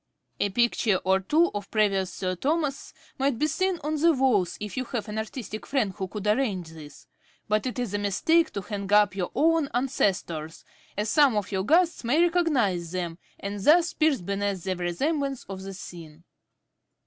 A picture or two of previous Sir Thomas's might be seen on the walls, if you have an artistic friend who could arrange this; but it is a mistake to hang up your own ancestors, as some of your guests may recognise them, and thus pierce beneath the vraisemblance of the scene.